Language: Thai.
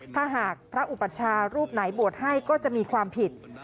ถ้าหากพระอุปัชชารูปไหนบวชให้ก็จะมีความผิด